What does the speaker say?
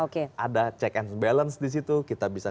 kita check and balance disitu kita bisa